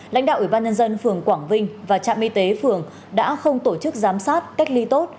lãnh đạo ủy ban nhân dân phường quảng vinh và trạm y tế phường đã không tổ chức giám sát cách ly tốt